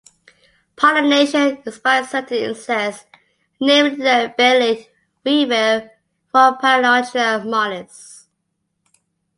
Pollination is by certain insects, namely the belid weevil "Rhopalotria mollis".